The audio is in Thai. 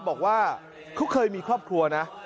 บอกว่าเขาเคยมีครอบครัวนะ